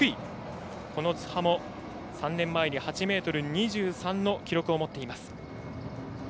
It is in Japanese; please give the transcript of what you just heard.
この津波も、３年前に８ｍ２３の記録を持っています。